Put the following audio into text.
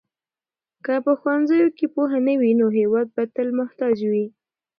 که په ښوونځیو کې پوهه نه وي نو هېواد به تل محتاج وي.